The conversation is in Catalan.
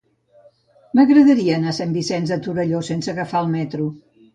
M'agradaria anar a Sant Vicenç de Torelló sense agafar el metro.